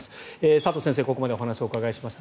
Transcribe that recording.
佐藤先生にここまでお話をお伺いしました。